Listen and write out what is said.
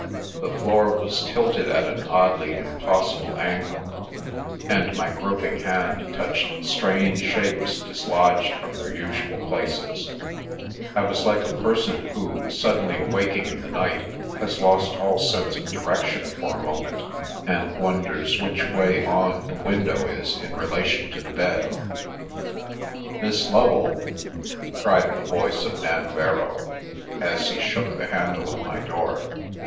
The floor was tilted at oddly impossible angle, and my groping hand toucl strange shapes dislodged from their usual places; I v like a person who, suddenly awaking in the night, 1 lost all sense of direction for a moment and wond which way on the window is in relation to the bed. " Miss Lovel !" cried the voice of Nanverrow, as shook the handle of my door.